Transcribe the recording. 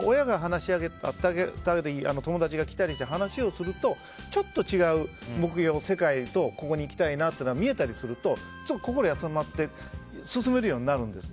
だから、友達が来たりして話をすると、ちょっと違う目標や世界が見えてここに行きたいなというのが見えたりすると、心が休まって進めるようになるんです。